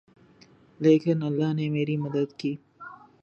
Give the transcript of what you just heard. لیکن اللہ نے میری مدد کی